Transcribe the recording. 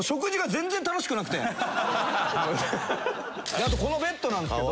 あとこのベッドなんですけど。